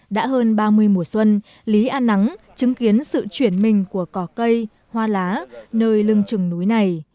đã hơn ba mươi mùa xuân lý an nắng chứng kiến sự chuyển mình của cỏ cây hoa lá nơi lưng trừng núi này